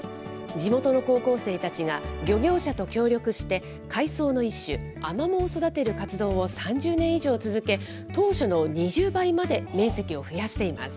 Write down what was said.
地元の高校生たちが漁業者と協力して、海草の一種、アマモを育てる活動を３０年以上続け、当初の２０倍まで面積を増やしています。